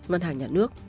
ngân hàng nhà nước